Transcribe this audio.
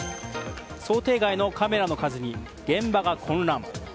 想定外のカメラの数に現場が混乱。